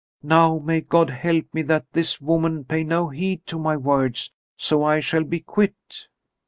Now may God help me that this woman pay no heed to my words; so I shall be quit."